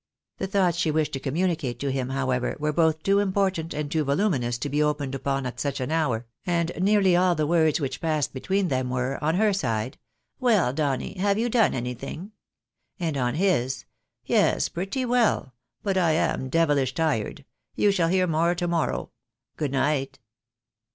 The thoughts she wished to com municate to him, however, were both too important and too voluminous to be opened upon at such an hour, and nearly all the words which passed between them were — on her side, " Well, Donny, have you done anything ?" and on his, " Yes, pretty well ; but I am devihsh tired. You shall hear more to morrow. Good night."